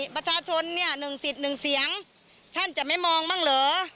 ประชาชนเนี่ย๑สิทธิ์๑เสียงท่านจะไม่มองบ้างเหรอ